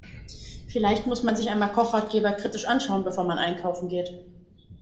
Vielleicht muss man sich einmal Kochratgeber kritisch anschauen, bevor man einkaufen geht.